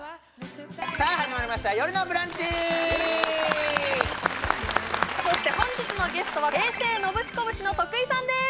さあ始まりました「よるのブランチ」そして本日のゲストは平成ノブシコブシの徳井さんです